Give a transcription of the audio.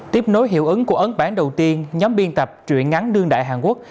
tiếp nối hiệu ứng của ấn bản đầu tiên nhóm biên tập truyện ngắn đương đại hàn quốc